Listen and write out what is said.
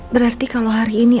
berarti kalau hari ini